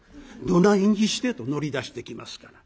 「どないにして？」と乗り出してきますから。